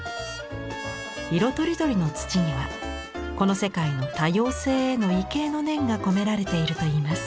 色とりどりの土にはこの世界の多様性への畏敬の念が込められているといいます。